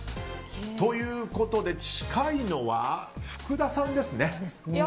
ということで近いのは福田さんですね。